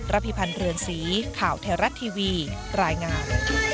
พิพันธ์เรือนสีข่าวไทยรัฐทีวีรายงาน